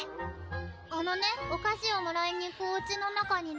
あのねお菓子をもらいに行くおうちの中にね